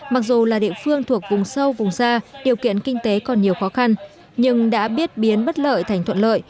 mặc dù là địa phương thuộc vùng sâu vùng xa điều kiện kinh tế còn nhiều khó khăn nhưng đã biết biến bất lợi thành thuận lợi